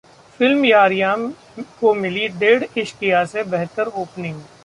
film Yaariyan को मिली डेढ़ इश्किया से बेहतर ओपनिंग